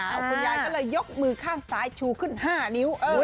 คุณยายก็เลยยกมือข้างซ้ายชูขึ้น๕นิ้ว